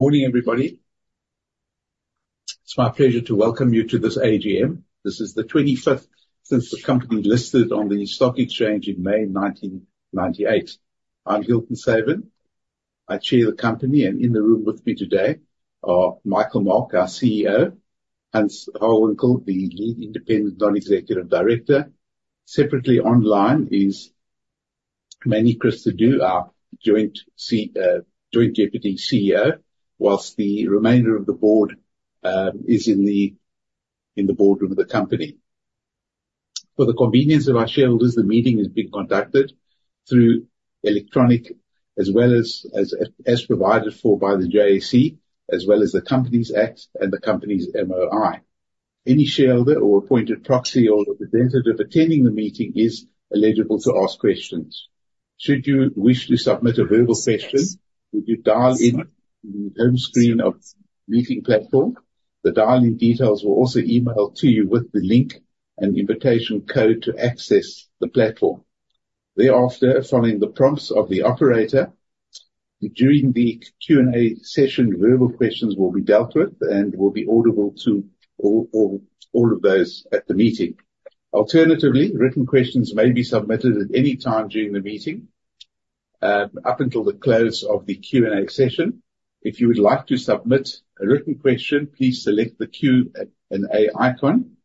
Morning everybody. It's my pleasure to welcome you to this AGM. This is the 25th since the company listed on the stock exchange in May 1998. I'm Hilton Saven, I chair the company and in the room with me today are Michael Mark, our CEO, Hans Hawinkels, the Lead Independent Non-Executive Director. Separately online is Manny Cristaudo, our Joint Deputy CEO while the remainder of the board is in the boardroom of the company for the convenience of our shareholders. The meeting is being conducted through electronic as well as provided for by the JSE as well as the Companies Act and the Company's MOI. Any shareholder or appointed proxy or representative attending the meeting is eligible to ask questions. Should you wish to submit a verbal question, would you dial in the home screen of meeting platform? The dial in details were also emailed to you with the link and invitation code to access the platform. Thereafter, following the prompts of the operator during the Q and A session, verbal questions will be dealt with and will be audible to all of those at the meeting. Alternatively, written questions may be submitted at any time during the meeting up until the close of the Q and A session. If you would like to submit a written question, please select the Q and A icon.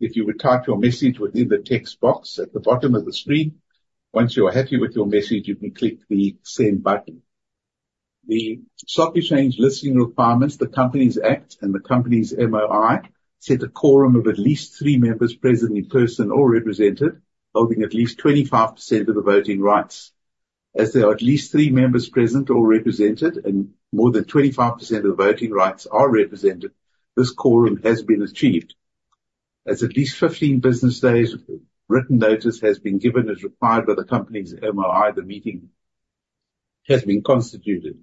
If you would type your message within the text box at the bottom of the screen. Once you are happy with your message, you can click the Send button. The Stock Exchange Listing Requirements, the Companies Act, and the Company's MOI set a quorum of at least three members present in person or represented holding at least 25% of the voting rights, as there are at least three members present or represented and more than 25% of the voting rights are represented. This quorum has been achieved, as at least 15 business days' written notice has been given as required by the Company's MOI. The meeting has been constituted.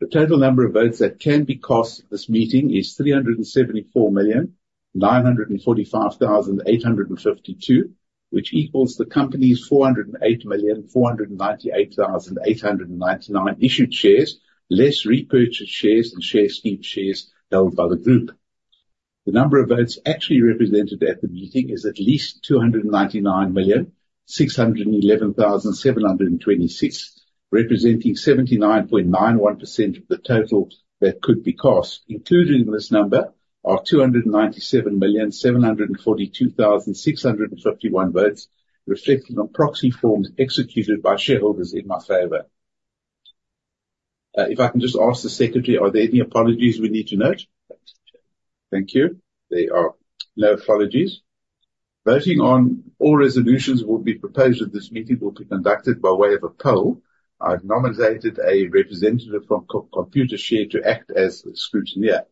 The total number of votes that can be cast at this meeting is 374,945,852, which equals the Company's 408,498,899 issued shares less repurchased shares and share scheme shares held by the group. The number of votes actually represented at the meeting is 299,611,726, representing 79.91% of the total that could be cast. Including this number are 297,742,651 votes reflected on proxy forms executed by shareholders in my favor. If I can just ask the Secretary, are there any apologies we need to note. Thank you. There are no apologies. Voting on all resolutions will be by poll. I propose that this meeting will be conducted by way of a poll. I've nominated a representative from Computershare to act as scrutineer.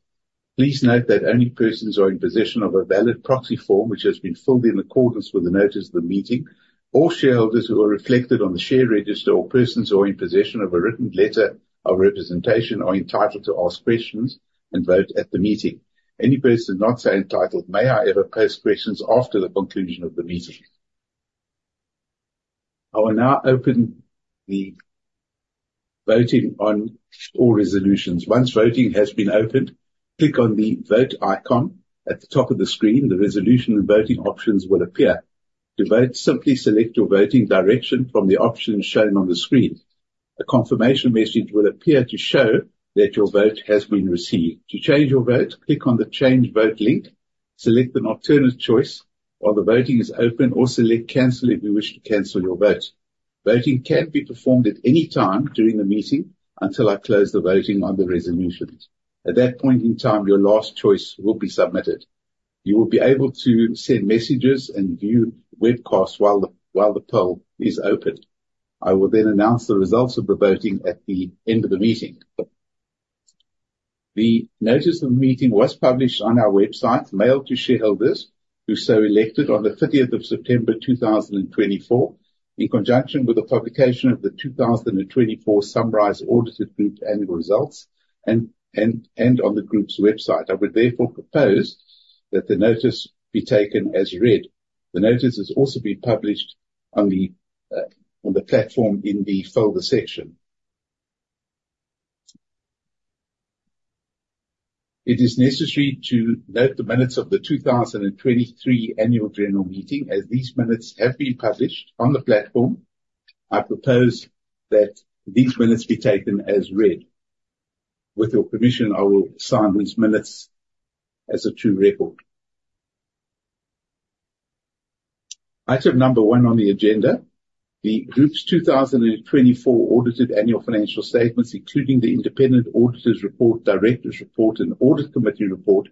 Please note that only persons in possession of a valid proxy form which has been filled in accordance with the notice of the meeting. All shareholders who are reflected on the share register or persons in possession of a written letter of representation are entitled to ask questions and vote at the meeting. Any person not so entitled may nevertheless pose questions after the conclusion of the meeting? I will now open the voting on all resolutions. Once voting has been opened, click on the vote icon at the top of the screen. The resolution and voting options will appear. To vote, simply select your voting direction from the options shown on the screen. A confirmation message will appear to show that your vote has been received. To change your vote, click on the Change Vote link, select an alternate choice while the voting is open or select Cancel if you wish to cancel your vote. Voting can be performed at any time during the meeting until I close the voting on the resolutions. At that point in time, your last choice will be submitted. You will be able to send messages and view webcasts while the poll is open. I will then announce the results of the voting at the end of the meeting. The notice of the meeting was published on our website, mailed to shareholders who so elected on 30 September 2024, in conjunction with the publication of the 2024 Summarized Audited Group Annual Results and on the group's website. I would therefore propose that the notice be taken as read. The notice has also been published on the Platform in the Folder section. It is necessary to note the minutes of the 2023 Annual General Meeting. As these minutes have been published on the Platform, I propose that these minutes be taken as read. With your permission, I will sign these minutes as a true record. Item number one on the agenda. The group's 2024 audited annual financial statements, including the Independent Auditor's Report, Director's Report and Audit Committee Report,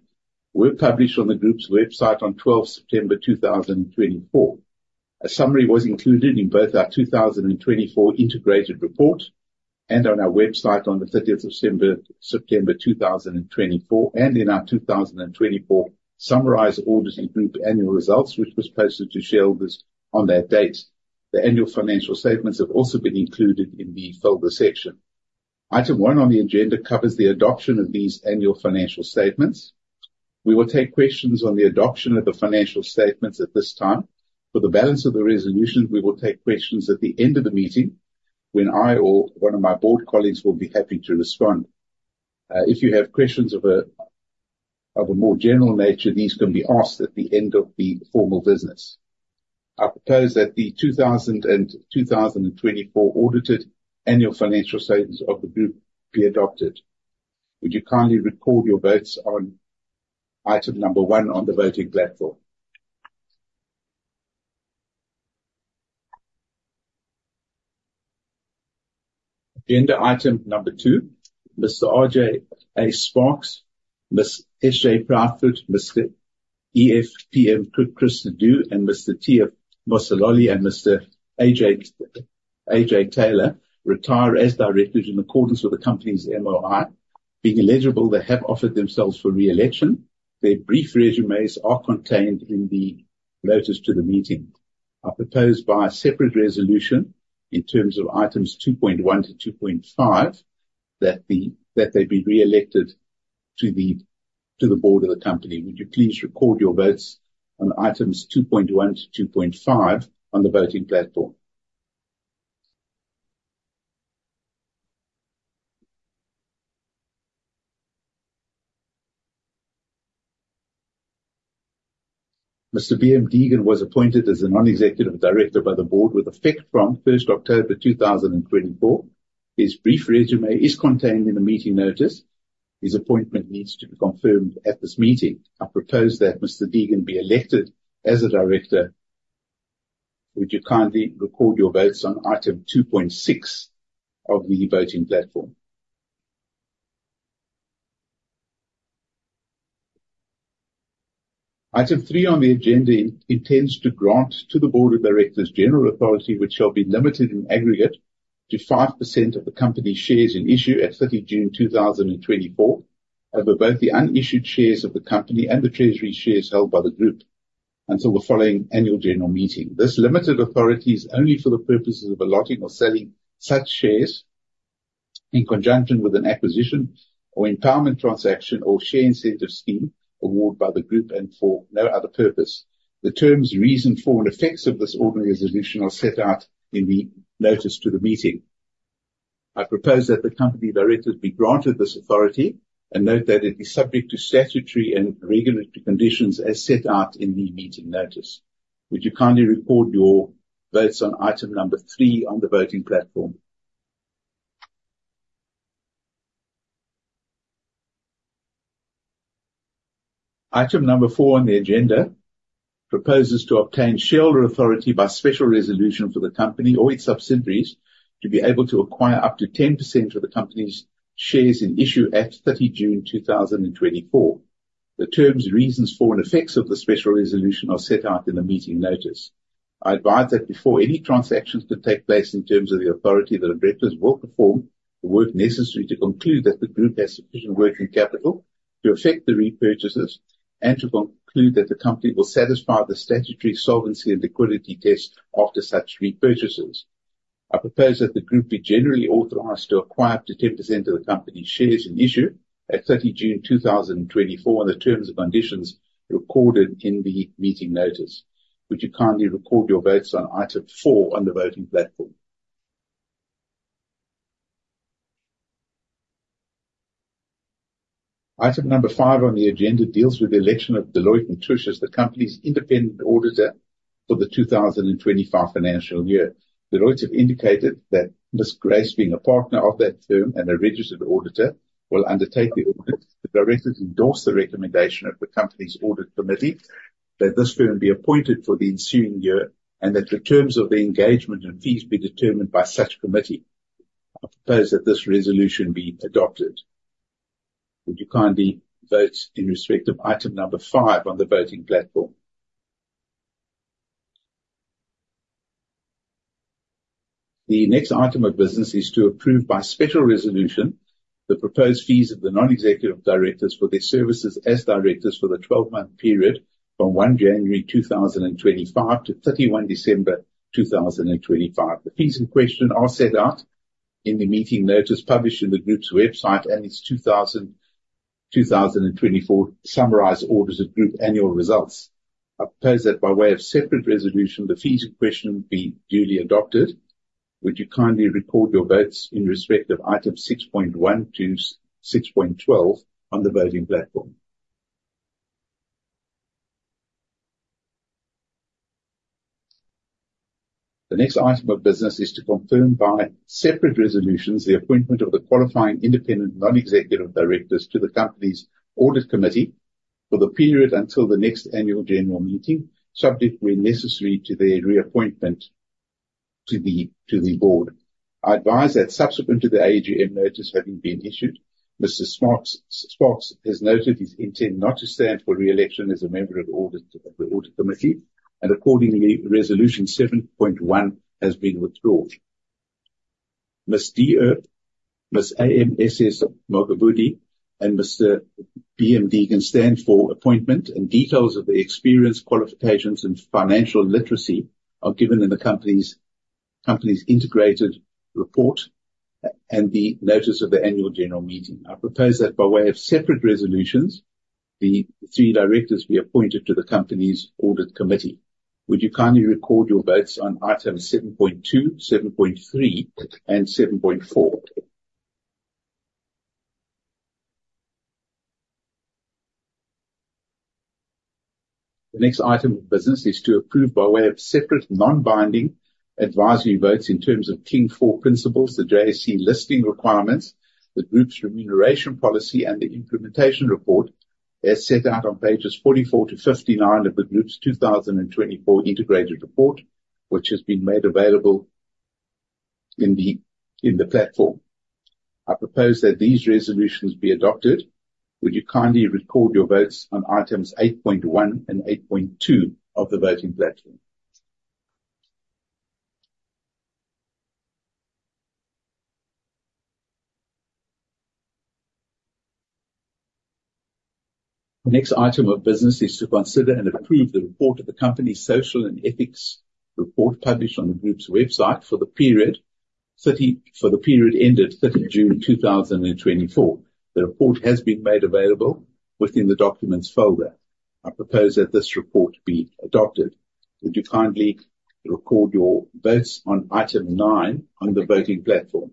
were published on the group's website on 12 September 2024. A summary was included in both our 2024 Integrated Report and on our website on 30 September 2024 and in our 2024 summarized audited Group Annual Results, which was posted to shareholders on that date. The annual financial statements have also been included in the folder section. Item 1 on the agenda covers the adoption of these annual financial statements. We will take questions on the adoption of the financial statements at this time for the balance of the resolution. We will take questions at the end of the meeting when I or one of my Board colleagues will be happy to respond. If you have questions of a more general nature, these can be asked at the end of the formal business. I propose that the 2024 audited annual financial statements of the Group be adopted. Would you kindly record your votes on item number one on the voting platform. Now, item number two: Mr. R.J.A. Sparks, Ms. S.J. Proudfoot, Mr. E.F.P.M. Cristaudo and Mr. T.F. Mosololi and Mr. A.J. Taylor retire as directed in accordance with the Company's MOI, being eligible, they have offered themselves for re-election. Their brief resumes are contained in the notice to the meeting. I propose by a separate resolution in terms of items 2.1 to 2.5 that they be re-elected to the Board of the Company. Would you please record your votes on items 2.1 to 2.5 on the voting platform? Mr. B.M. Deegan was appointed as a Non-Executive Director by the Board with effect from 1st October 2024. His brief resume is contained in the meeting notice. His appointment needs to be confirmed at this meeting. I propose that Mr. Deegan be elected as a Director. Would you kindly record your votes on item 2.6 of the voting platform? Item 3 on the agenda intends to grant to the Board of Directors general authority which shall be limited in aggregate to 5% of the Company's shares in issue at 30 June 2024 over both the unissued shares of the Company and the treasury shares held by the Group until the following Annual General Meeting. This limited authority is only for the purposes of allotting or selling such shares in conjunction with an acquisition or empowerment transaction or share incentive scheme award by the Group and for no other purpose. The terms, reason for and effects of this Ordinary Resolution are set out in the notice to the meeting. I propose that the Company directors be granted this authority and note that it is subject to statutory and regulatory conditions as set out in the meeting notice. Would you kindly record your votes on item number three on the voting platform? Item number four on the agenda proposes to obtain shareholder authority by special resolution for the Company or its subsidiaries to be able to acquire up to 10% of the company's shares in issue at 30 June 2024. The terms, reasons for and effects of the special resolution are set out in a meeting notice. I advise that before any transactions could take place in terms of the authority that auditors will perform the work necessary to conclude that the Group has sufficient working capital to effect the repurchases and to conclude that the Company will satisfy the statutory solvency and liquidity test after such repurchases. I propose that the Group be generally authorized to acquire up to 10% of the Company's shares in issue at 30 June 2024 in the terms and conditions recorded in the meeting notice. Would you kindly record your votes on item four on the voting platform? Item number five on the agenda deals with the election of Deloitte & Touche as the Company's independent auditor for the 2025 financial year. Deloitte have indicated that Ms. Grace, being a partner of that firm and a registered auditor, will undertake the audit. The Directors endorse the recommendation of the Company's Audit Committee that this firm be appointed for the ensuing year and that the terms of the engagement and fees be determined by such committee. I propose that this resolution be adopted. Would you kindly vote in respect of item number five on the voting platform? The next item of business is to approve by special resolution the proposed fees of the non-executive directors for their services as directors for the 12-month period from 1 January 2025 to 31 December 2025. The fees in question are set out in the meeting notice published in the Group's website and its 2024 summarized audited group annual results. I propose that by way of separate resolution the fees in question be duly adopted. Would you kindly record your votes in respect of item 6.1 to 6.12 on the voting platform? The next item of business is to confirm by separate resolutions the appointment of the qualifying independent non-executive Directors to the Company's Audit Committee for the period until the next Annual General Meeting, subject when necessary to their reappointment to the Board. I advise that subsequent to the AGM notice having been issued, Mr. Sparks has noted his intent not to stand for re-election as a member of the Audit Committee and accordingly Resolution 7.1 has been withdrawn. Ms. D. Earp, Ms. A.M.S.S. Mokgabudi and Mr. B.M. Deegan stand for appointment and details of the experience, qualifications and financial literacy are given in the Company's integrated report and the notice of the Annual General Meeting. I propose that by way of separate resolutions the three directors be appointed to the Company's Audit Committee. Would you kindly record your votes on item 7.2, 7.3 and 7.4? The next item of business is to approve by way of separate non-binding advisory votes in terms of King IV principles, the JSE Listings Requirements, the Group's remuneration policy and the implementation report as set out on pages 44 to 59 of the Group's 2024 Integrated Report which has been made available in the platform. I propose that these resolutions be adopted. Would you kindly record your votes on items 8.1 and 8.2 of the voting platform? The next item of business is to consider and approve the report of the Company's Social and Ethics report published on the Group's website for the period. For the period ended 30 June 2024. The report has been made available within the Documents folder. I propose that this report be adopted. Would you kindly record your votes on item nine on the voting platform?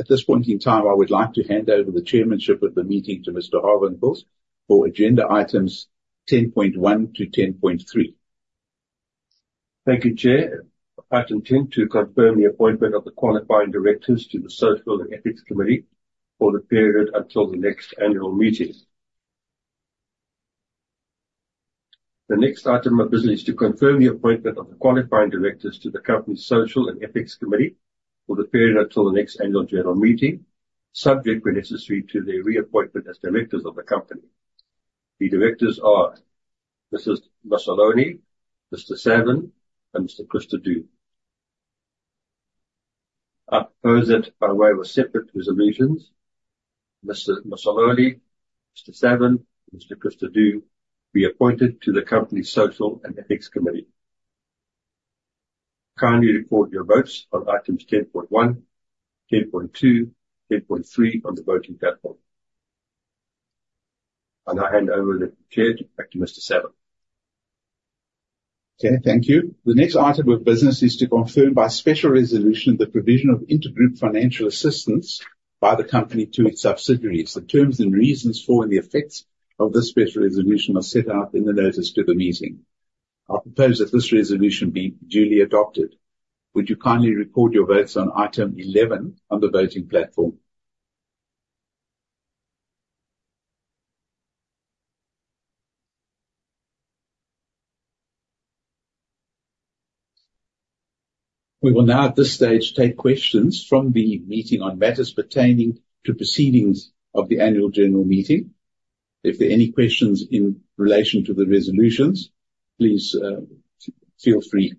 At this point in time, I would like to hand over the Chairmanship of the meeting to Mr. Hawinkels for agenda items 10.1 to 10.3. Thank you, Chair. Item ten to confirm the appointment of the qualifying Directors to the Social and Ethics Committee for the period until the next annual meeting. The next item of business is to confirm the appointment of the qualifying directors to the Company's Social and Ethics Committee for the period until the next annual general meeting, subject, when necessary, to their reappointment as Directors of the Company. The directors are Mr. Mosololi, Mr. Saven and Mr. Cristaudo. I propose that, by the way, with separate resolutions, Mr. Mosololi, Mr. Saven, Mr. Cristaudo be appointed to the Company's Social and Ethics Committee. Kindly record your votes on items 10.1. 10.2, 10.3 on the voting. Platform and I hand over the chair. Back to Mr. Saven. Okay, thank you. The next item of business is to confirm by special resolution the provision of intergroup financial assistance by the Company to its subsidiaries. The terms and reasons for and the effects of this special resolution are set out in the notice to the meeting. I propose that this resolution be duly adopted. Would you kindly record your votes on item 11 on the voting platform? We will now at this stage take questions from the meeting on matters pertaining to proceedings of the Annual General Meeting. If there are any questions in relation to the resolutions, please feel free.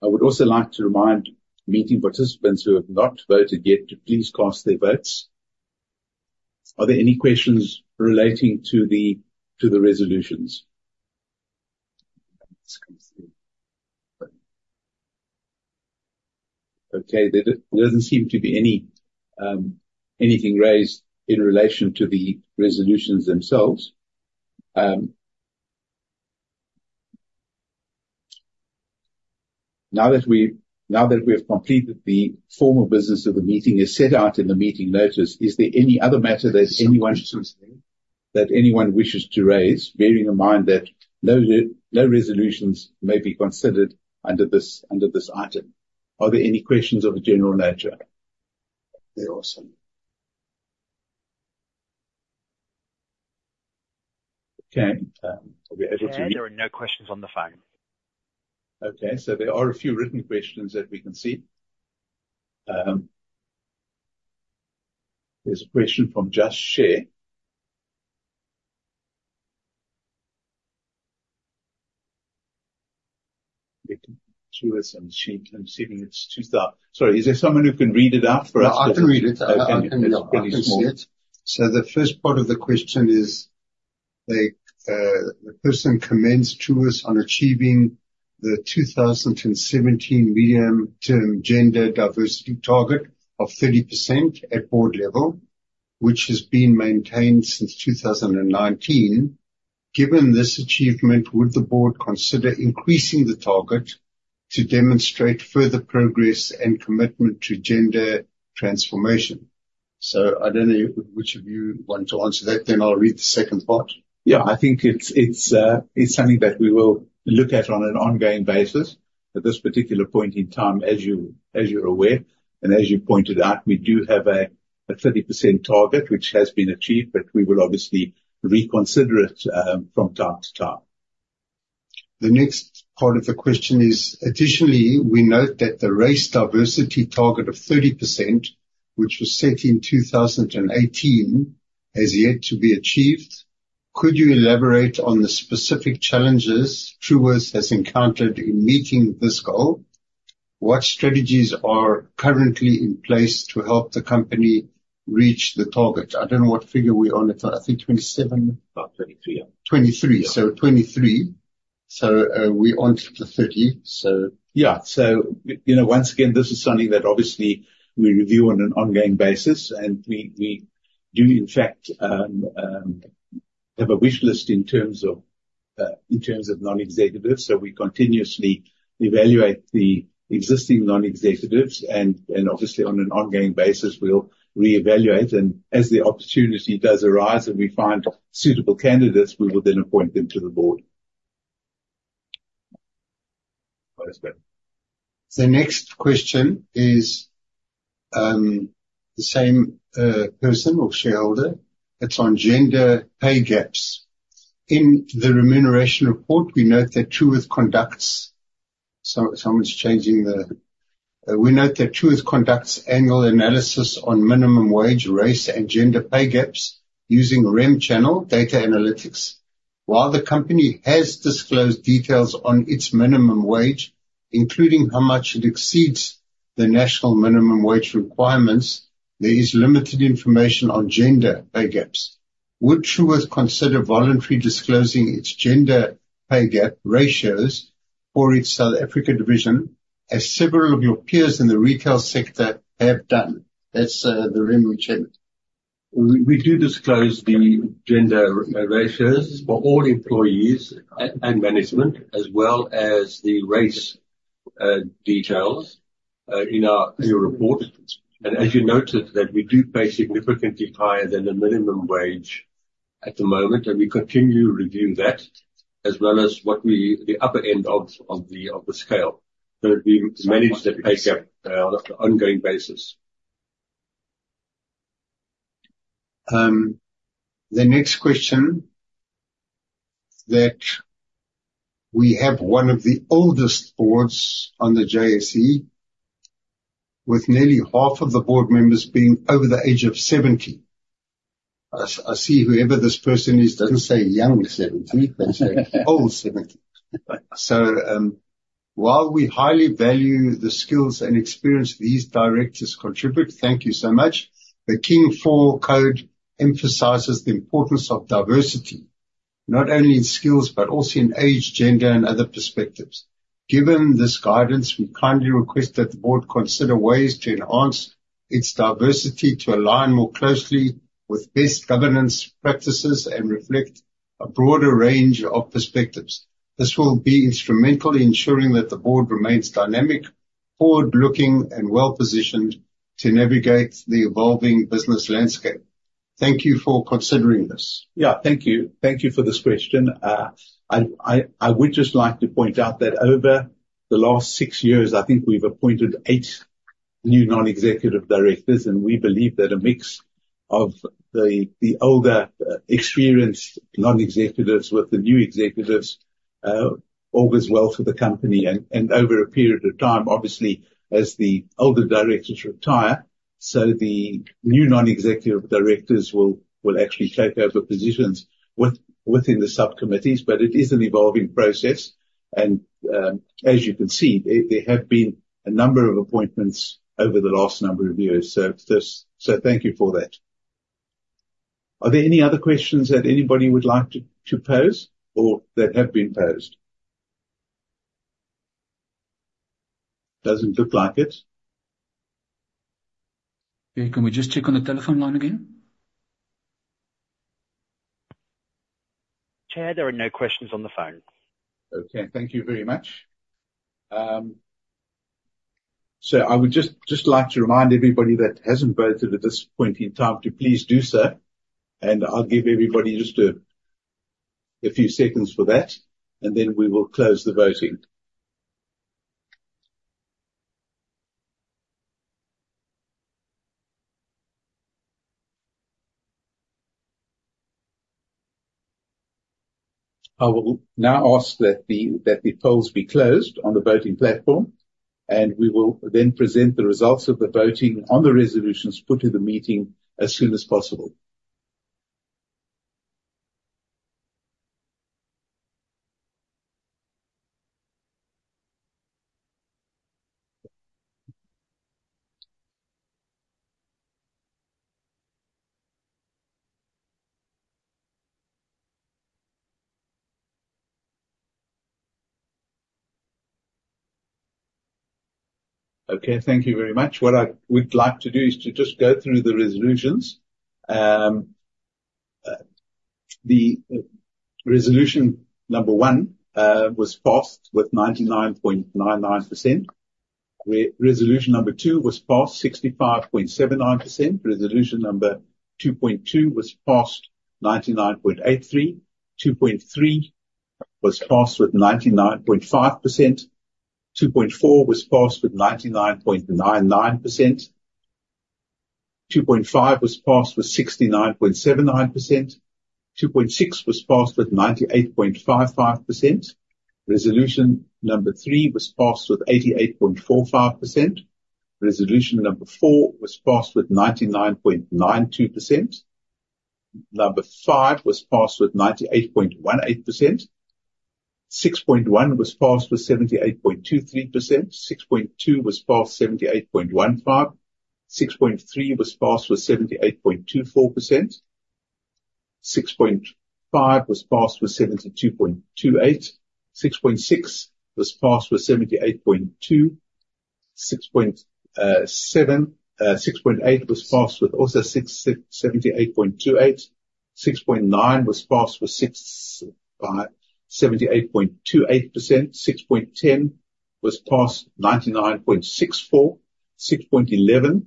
I would also like to remind meeting participants who have not voted yet to please cast their votes. Are there any questions relating to the resolutions? Okay. There doesn't seem to be anything raised in relation to the resolutions themselves. Now that we have completed the formal business of the meeting as set out in the meeting notice. Is there any other matter that anyone wishes to raise, bearing in mind that no resolutions may be considered under this item? Are there any questions of a general nature? There are some. Okay. There are no questions on the phone. Okay. So there are a few written questions that we can see. There's a question from. Just share. I'm sitting. It's too. Sorry. Is there someone who can read it out for us? I can read it. The first part of the question is the person commented to us on achieving the 2017 medium term gender diversity target of 30% at board level, which has been maintained since 2019. Given this achievement, would the board consider increasing the target to demonstrate further progress and commitment to gender transformation? I don't know which of you want to answer that. I'll read the second part. Yeah, I think it's something that we will look at on an ongoing basis at this particular point in time. As you're aware and as you pointed out, we do have a 30% target which has been achieved, but we will obviously reconsider it from time to time. The next part of the question is, additionally, we note that the race diversity target of 30%, which was set in 2018 has yet to be achieved. Could you elaborate on the specific challenges Truworths has encountered in meeting this goal? What strategies are currently in place to help the company reach the target? I don't know what figure we on? It's, I think, 27, 23. So 23. So we on the 30. Yeah. You know, once again, this is something that obviously we review on an ongoing basis and we do in fact have a wish list in terms of non-executives. So we continuously evaluate the existing non-executives and obviously on an ongoing basis we'll re-evaluate and as the opportunity does arise and we find suitable candidates, we will then appoint them to the board. The next question is the same person or shareholder. It's on gender pay gaps. In the remuneration report, we note that Truworths conducts. We note that Truworths conducts annual analysis on minimum wage, race and gender pay gaps using Remchannel data analytics. While the company has disclosed details on its minimum wage, including how much it exceeds the national minimum wage requirements, there is limited information on gender pay gaps. Would Truworths consider voluntary disclosing its gender pay gap ratios for each South Africa division as several of your peers in the retail sector have done? That's the Rem we do disclose the gender ratios for all employees and management as well as the race details in our report. And as you noted that we do pay significantly higher than the minimum wage at the moment and we continue reviewing that as well as what we pay at the upper end of the scale so that we manage on an ongoing basis. The next question that we have is one of the oldest boards on the JSE with nearly half of the board members being over the age of 70. I see. Whoever this person is doesn't say young 70, they say old 70. So while we highly value the skills and experience these directors contribute, thank you so much. The King IV code emphasizes the importance of diversity not only in skills, but also in age, gender and other perspectives. Given this guidance, we kindly request that the board consider ways to enhance its diversity to align more closely with best governance practices and reflect a broader range of perspectives. This will be instrumental in ensuring that the board remains dynamic, forward looking and well positioned to navigate the evolving business landscape. Thank you for considering this. Yeah, thank you. Thank you for this question. I would just like to point out that over the last six years I think we've appointed eight new non executive directors and we believe that a mix of the older experienced non executives with the new executives augurs well for the company and over a period of time, obviously as the older directors retire. So the new non executive directors will actually take over positions within the subcommittees. But it is an evolving process and as you can see there have been a number of appointments over the last number of years. So thank you for that. Are there any other questions that anybody would like to pose or that have been posed? Doesn't look like it. Can we just check on the telephone line again? Chair, there are no questions on the phone. Okay, thank you very much. So I would just like to remind everybody that hasn't voted at this point in time to please do so. And I'll give everybody just a few seconds for that and then we will close the voting. I will now ask that the polls be closed on the voting platform and we will then present the results of the voting on the resolutions put in the meeting as soon as possible. Okay, thank you very much. What I would like to do is to just go through the resolutions. The resolution number one was passed with 99.99%. Resolution number two was passed with 65.79%. Resolution number two point two was passed with 99.83%. Resolution 2.3 was passed with 99.5%. Resolution 2.4 was passed with 99.99%. Resolution 2.5 was passed with 69.79%. Resolution 2.6 was passed with 98.55%. Resolution number three was passed with 88.45%. Number four was passed with 99.92%. Number five was passed with 98.18%. 6.1 was passed with 78.23%. 6.2 was passed with 78.15%. 6.3 was passed with 78.24%. 6.5 was passed with 72.28%. 6.6 was passed with 78.2%. 6.7 and 6.8 was passed with also 78.28%. 6.9 was passed with 78.28%. 6.10 was passed with 99.64%. 6.11 had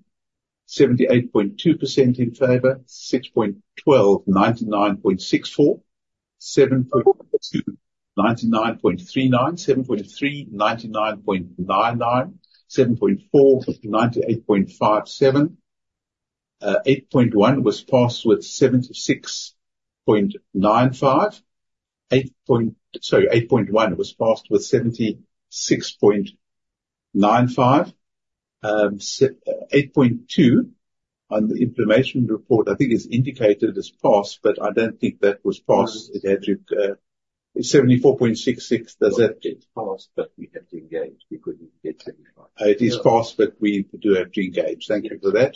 78.2% in favor. 6.12 had 99.64%. 7.1 had 99.39%. 7.3 had 99.99%. 7.4 had 98.57%. 8.1 was passed with 76.95%. 8 point. Sorry, 8.1 was passed with 76.5%. 8.2 on the information report I think it's indicated as pass but I don't think that was passed. It had 74.66%. Does that get passed? But we have to engage. We couldn't get 75%. It is passed but we do have to engage. Thank you for that.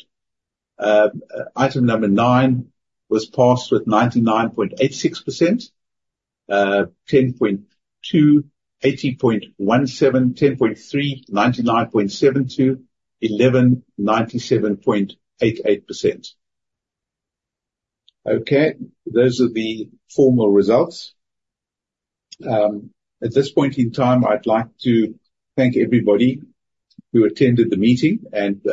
Item number nine was passed with 99.86% 10.2, 80.17, 10.3, 99.72, 11, 97.88% okay, those are the formal results at this point in time. I'd like to thank everybody who attended the meeting and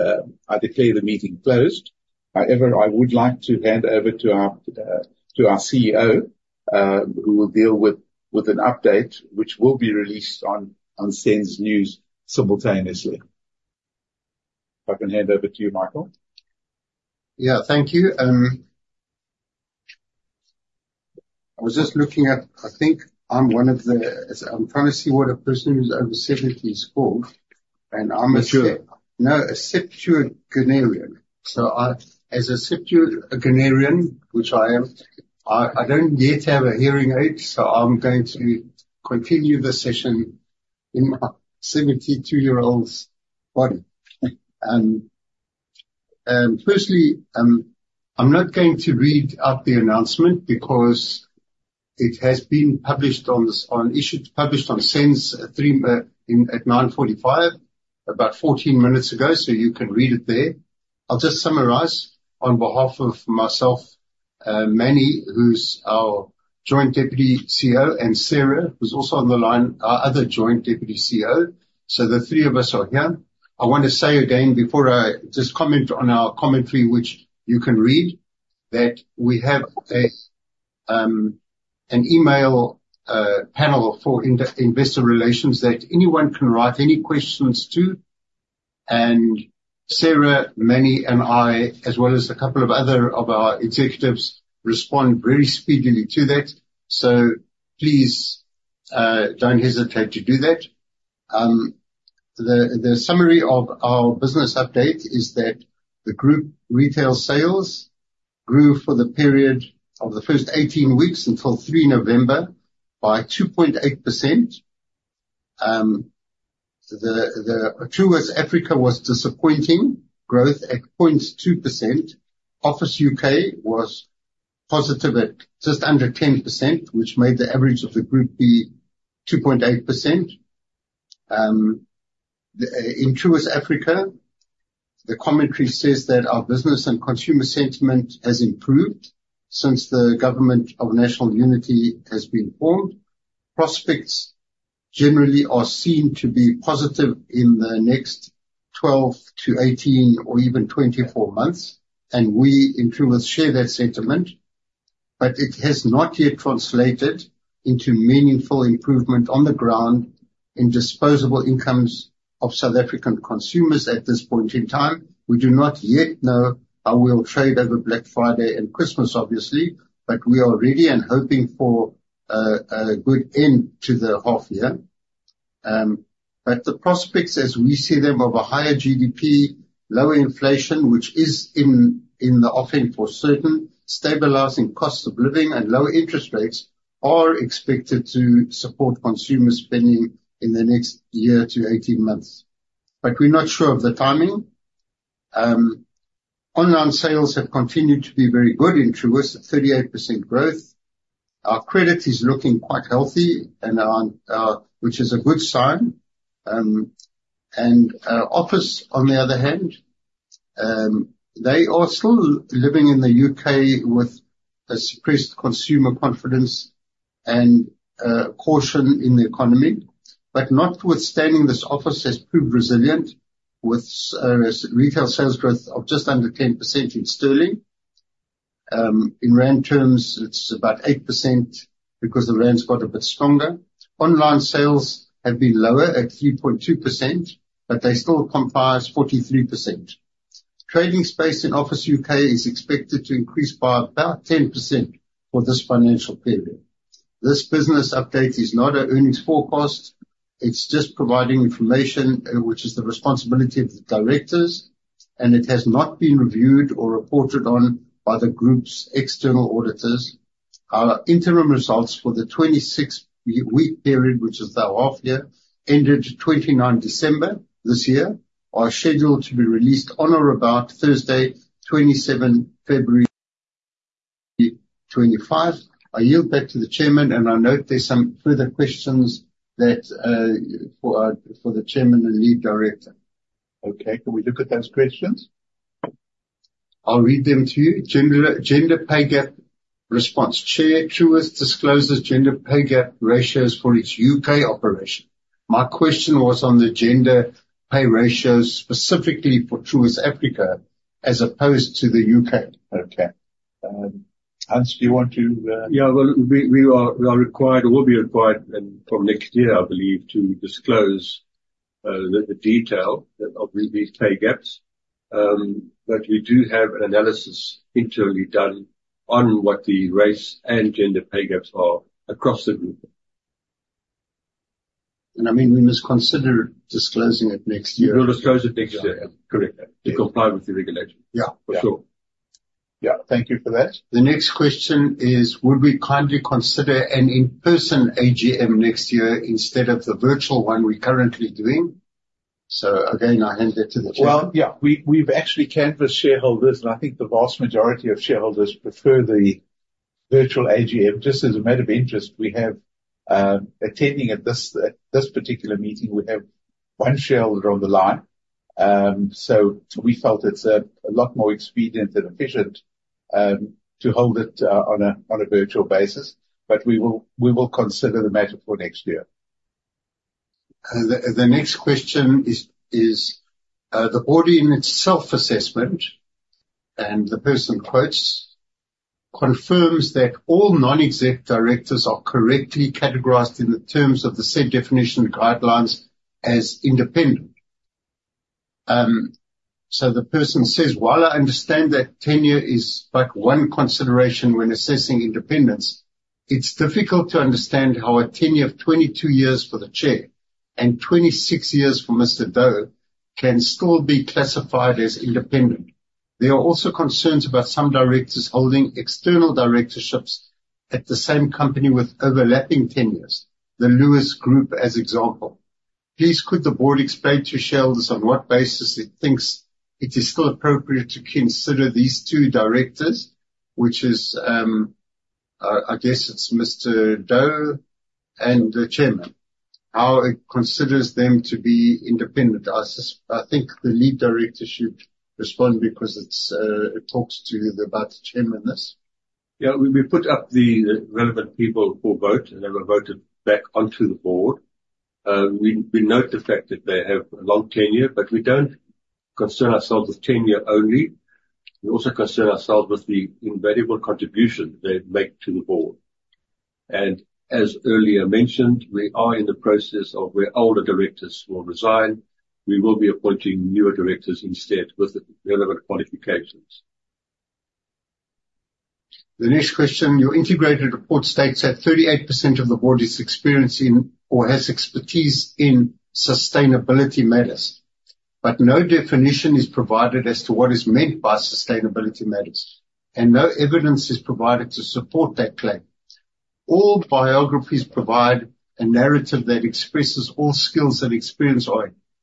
I declare the meeting closed. However I would like to hand over to our CEO who will deal with an update which will be released on SENS News simultaneously. If I can hand over to you Michael. Yeah, thank you. I'm trying to see what a person who's over 70 is called and I'm a no. So I as a septuagenarian which I am, I don't yet have a hearing aid so I'm going to continue the session in my 72-year-old's body. Firstly I'm not going to read out the announcement because it has been published on this on issue published on SENS feed at 9:45 A.M. about 14 minutes ago so you can read it there. I'll just summarize on behalf of myself Manny who's our Joint Deputy CEO and Sarah, who's also on the line, our other Joint Deputy CEO. So the three of us are here. I want to say again before I just comment on our commentary, which you can read, that we have an email panel for investor relations that anyone can write any questions to, and Sarah, Manny and I as well as a couple of other of our executives respond very speedily to that. So please don't hesitate to do that. The summary of our business update is that the group retail sales grew for the period of the first 18 weeks until the 3rd of November by 2.8%. The Truworths Africa was disappointing growth at 0.2%. Office UK was positive at just under 10% which made the average of the group be 2.8%. In Truworths Africa, the commentary says that our business and consumer sentiment has improved since the Government of National Unity has been formed. Prospects generally are seen to be positive in the next 12 to 18 or even 24 months and we in Truworths share that sentiment, but it has not yet translated into meaningful improvement on the ground in disposable incomes of South African consumers at this point in time. We do not yet know how we will trade over Black Friday and Christmas obviously, but we are ready and hoping for a good end to the half year. But the prospects as we see them of a higher GDP, low inflation which is in the offing for certain stabilizing costs of living and low interest rates are expected to support consumer spending in the next year to 18 months, but we're not sure of the timing. Online sales have continued to be very good in Truworths 38% growth. Our credit is looking quite healthy, which is a good sign. Office on the other hand, they are still living in the UK with a suppressed consumer confidence and caution in the economy. But notwithstanding, this Office has proved resilient with retail sales growth of just under 10% in sterling; in rand terms it's about 8% because the rands got a bit stronger. Online sales have been lower at 3.2% but they still comprise 43%. Trading space in Office UK is expected to increase by about 10% for this financial period. This business update is not an earnings forecast; it's just providing information which is the responsibility of the directors and it has not been reviewed or reported on by the group's external auditors. Our interim results for the 26-week period, which is the half year ended 29th December this year, are scheduled to be released on or about Thursday, 27th February 2025. I yield back to the Chairman, and I note there's some further questions. For. The Chairman and lead director. Okay, can we look at those questions? I'll read them to you. Gender pay gap response. Chair Truworths discloses gender pay gap ratios for its UK operation. My question was on the gender pay ratios specifically for Truworths Africa as opposed to the UK. Okay, Hans, do you want to? Yeah, well, we are required or will be required from next year, I believe, to disclose the detail of these pay gaps. But we do have an analysis internally done on what the race and gender pay gaps are across the group. And. I mean we must consider disclosing it next. You will disclose an indemnity, correct to comply with the regulation? Yeah, for sure. Yeah. Thank you for that. The next question is, would we kindly consider an in-person AGM next year instead of the virtual one we currently doing? So, again, I hand it to the. Well, yeah, we've actually canvassed shareholders, and I think the vast majority of shareholders prefer the virtual AGM. Just as a matter of interest, we have attending at this particular meeting. We have one shareholder on the line. So we felt it's a lot more expedient and efficient to hold it on a virtual basis. But we will consider the matter for next year. The next question is: is the Board in its self-assessment confirms that all non-exec directors are correctly categorized in terms of the said definition guidelines as independent. So the person says, while I understand that tenure is but one consideration when assessing independence, it's difficult to understand how a tenure of 22 years for the chair and 26 years for Mr. Taylor can still be classified as independent. There are also concerns about some directors holding external directorships at the same company with overlapping tenures. The Lewis Group as example. Please could the Board explain to shareholders on what basis it thinks it is still appropriate to consider these two directors, which, I guess, is Mr. Taylor and the chairman, how it considers them to be independent. I think the lead director should respond because it's. It talks to the Board Chairman this. Yeah, we put up the relevant people for vote and they were voted back onto the board. We note the fact that they have a long tenure but we don't concern ourselves with tenure only. We also concern ourselves with the invaluable contribution they make to the board. And as earlier mentioned we are in the process of where older directors will resign. We will be appointing newer directors instead with the relevant qualifications. The next question. Your Integrated Report states that 38% of the board is experience in or has expertise in sustainability matters, but no definition is provided as to what is meant by sustainability matters and no evidence is provided to support that claim. All biographies provide a narrative that expresses all skills that experience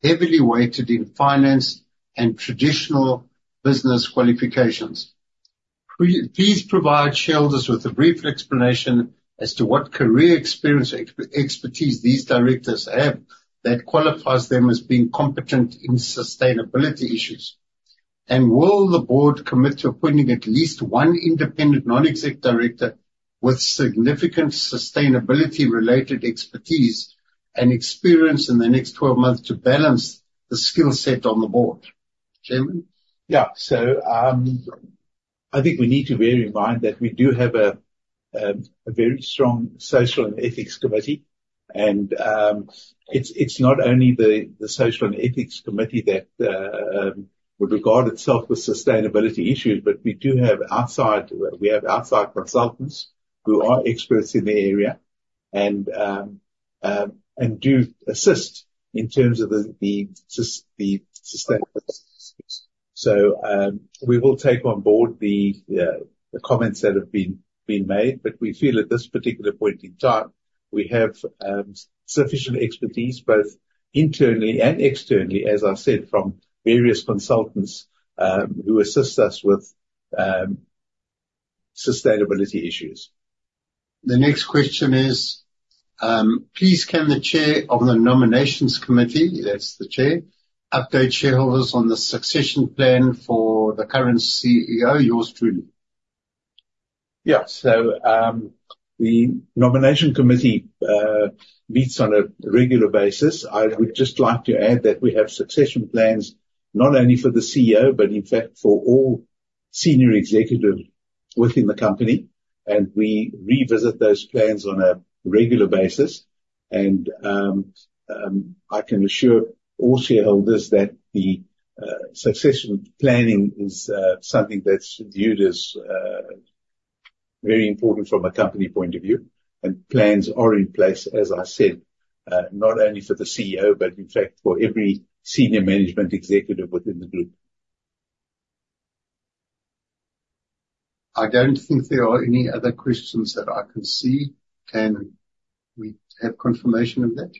heavily weighted in finance and traditional business qualifications. Please provide shareholders with a brief explanation as to what career experience, expertise these directors have that qualifies them as being competent in sustainability issues, and will the board commit to appointing at least one independent non exec director with significant sustainability related expertise and experience in the next 12 months to balance the skill set on the board, Chairman? Yeah. So I think we need to bear in mind that we do have a very strong Social and Ethics Committee and it's not only the Social and Ethics Committee that would regard itself with sustainability issues, but we do have outside consultants who are experts in the area and do assist in terms of sustainability. So we will take on board the comments that have been made, but we feel at this particular point in time we have sufficient expertise both internally and externally, as I said, from various consultants who assist us with sustainability issues. The next question is, please, can the chair of the Nominations Committee, that's the chair, update shareholders on the succession plan for the current CEO, yours truly? Yes. So the nomination committee meets on a regular basis. I would just like to add that we have succession plans not only for the CEO, but in fact for all senior executives within the company. And we revisit those plans on a regular basis. And I can assure all shareholders that the succession planning is something that's viewed as very important from a company point of view. And plans are in place, as I said, not only for the CEO, but in fact for every senior management executive within the group. I don't think there are any other questions that I can see. Can we have confirmation of that?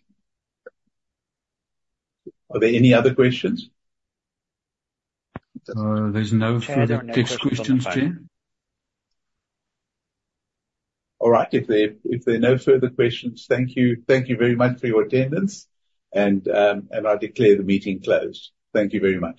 Are there any other questions? There's no further text questions. All right, if there are no further questions, thank you. Thank you very much for your attendance and I declare the meeting closed. Thank you very much.